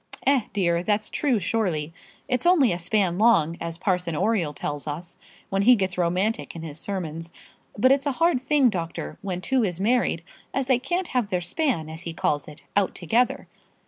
"Eh, dear, that's true, surely. It's only a span long, as Parson Oriel tells us when he gets romantic in his sermons. But it's a hard thing, doctor, when two is married, as they can't have their span, as he calls it, out together.